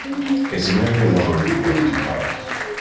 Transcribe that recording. A significant number of people have two cars.